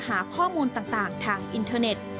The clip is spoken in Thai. หาข้อมูลต่างทางอินเทอร์เน็ต